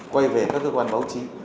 quay về các cơ quan báo chí